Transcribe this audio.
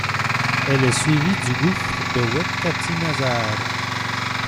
Elle est suivie du gouffre de Houet Qattine Azar.